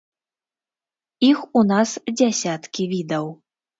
Іх у нас дзясяткі відаў.